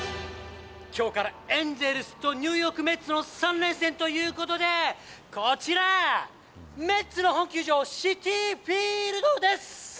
きょうからエンゼルスとニューヨークメッツの３連戦ということで、こちら、メッツの本球場、シティ・フィールドです。